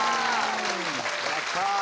やったー！